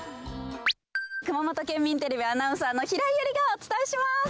熊本県民テレビアナウンサーの平井友莉がお伝えします。